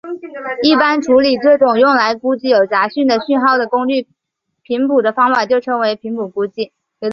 一般处理这种用来估计有杂讯的讯号的功率频谱的方法就称为频谱估计。